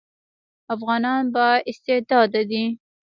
افغانان با استعداده دي